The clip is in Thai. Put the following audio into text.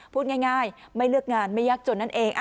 พูดง่ายไม่เลือกงานไม่ยากจนนั่นเอง